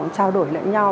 trao đổi lẫn nhau